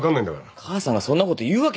母さんがそんなこと言うわけないだろ。